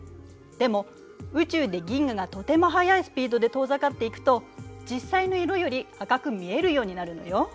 でも宇宙で銀河がとても速いスピードで遠ざかっていくと実際の色より赤く見えるようになるのよ。